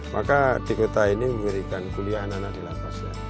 maka di kota ini memberikan kuliah anak anak dilapas ya